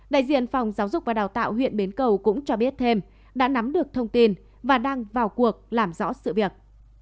đại diện phòng giáo dục và đào tạo huyện bến cầu cũng cho biết thêm đã nắm được thông tin và đang vào cuộc làm rõ sự việc